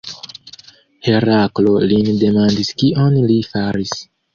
Heraklo lin demandis kion li faris.